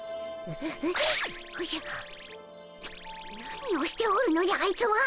何をしておるのじゃあいつは。